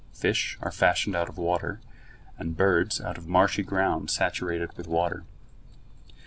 Fish are fashioned out of water, and birds out of marshy ground saturated with water.